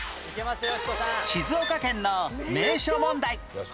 静岡県の名所問題